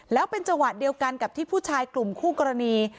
แล้วเป็นจังหวะเดียวกันกับที่ผู้ชายกลุ่มคู่กรณี